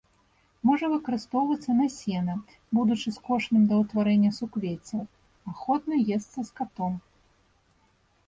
Можа выкарыстоўвацца на сена, будучы скошаным да ўтварэння суквеццяў, ахвотна есца скатом.